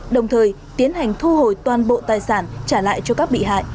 đồng thời tiến hành thu hồi toàn bộ tài sản trả lại cho các bị hại